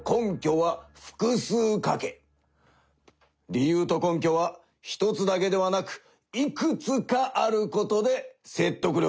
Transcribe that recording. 理由と根拠は１つだけではなくいくつかあることでせっとく力がますのだ。